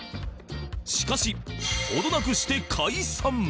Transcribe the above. しかし程なくして解散